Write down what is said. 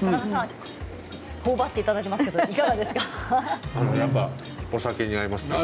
田中さんほおばっていただいていますがやっぱりお酒に合いますね。